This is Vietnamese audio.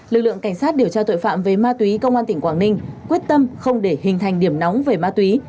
lực lượng cảnh sát điều tra tội phạm về ma túy công an tỉnh quảng ninh quyết tâm không để hình thành điểm nóng về ma túy